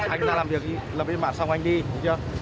anh ra làm việc lập yên bản xong anh đi được chưa